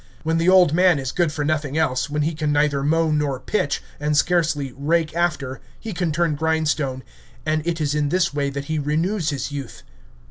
When the old man is good for nothing else, when he can neither mow nor pitch, and scarcely "rake after," he can turn grindstone, and it is in this way that he renews his youth.